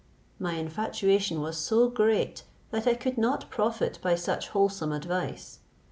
My infatuation was so great that I could not profit by such wholesome advice.